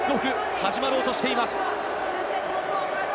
始まろうとしています。